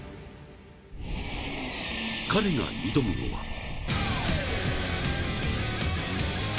［彼が挑むのは］